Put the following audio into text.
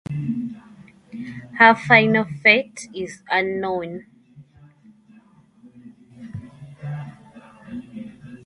Her final fate is unknown.